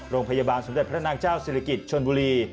โรงพยาบาลสมเด็จพระนางเจ้าศิริกิจชนบุรี